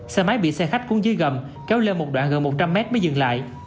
xe máy bị xe khách cuốn dưới gầm kéo lên một đoạn gần một trăm linh mét mới dừng lại